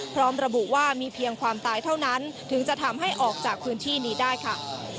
พร้อมระบุว่ามีเพียงความตายเท่านั้นถึงจะทำให้ออกจากพื้นที่นี้ได้ค่ะ